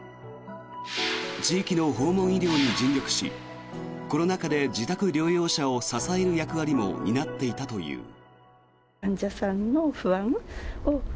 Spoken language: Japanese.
地域の訪問医療に尽力しコロナ禍で自宅療養者を支える役割も担っていたという。